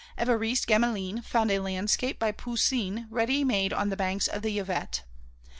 Évariste Gamelin found a landscape by Poussin ready made on the banks of the Yvette.